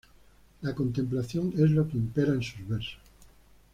La contemplación es lo que impera en sus versos.